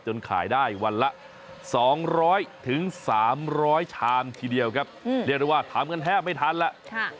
ขายได้วันละ๒๐๐๓๐๐ชามทีเดียวครับเรียกได้ว่าทำกันแทบไม่ทันแล้ว